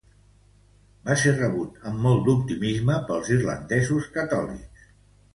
Va ser rebut amb molt d'optimisme pels irlandesos catòlics.